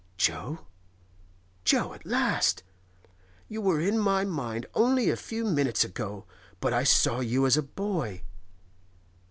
'Jo?—Jo, at last? You were in my mind only a few minutes ago, but I saw you as a boy.